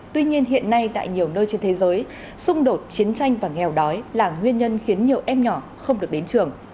tuy nhiên hiện nay tại nhiều nơi trên thế giới xung đột chiến tranh và nghèo đói là nguyên nhân khiến nhiều em nhỏ không được đến trường